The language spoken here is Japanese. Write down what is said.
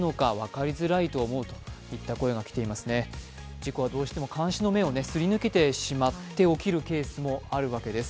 事故はどうしても監視の目をすり抜けてしまって起きるケースがあるわけです。